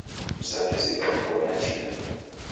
Msakesigha kubonya chia